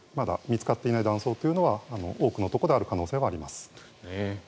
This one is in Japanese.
そういった地下に見つかっていない断層というのは多くのところである可能性はあります。